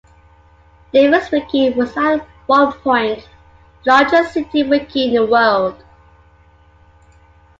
DavisWiki was at one point the largest City Wiki in the world.